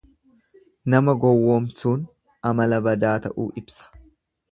Nama gowwomsuun amala badaa ta'uu ibsa.